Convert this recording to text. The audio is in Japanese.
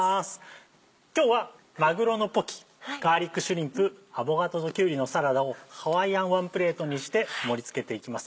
今日はまぐろのポキガーリックシュリンプアボカドときゅうりのサラダを「ハワイアンワンプレート」にして盛り付けていきます。